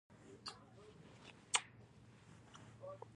څنګه کولی شم د فېسبوک پخوانی اکاونټ بیرته ترلاسه کړم